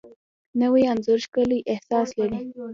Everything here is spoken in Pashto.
نوی انځور ښکلی احساس لري